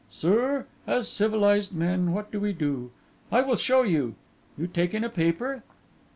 Sir, as civilised men, what do we do? I will show you. You take in a paper?